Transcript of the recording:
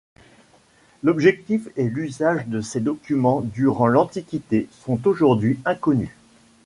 L'objectif et l'usage de ces documents durant l'Antiquité sont aujourd'hui inconnus.